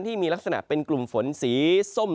ที่มีลักษณะเป็นกลุ่มฝนสีส้ม